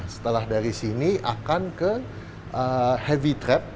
setelah dari sini akan ke heavy trap